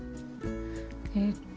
えっと